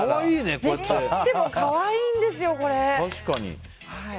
切っても可愛いんですよ。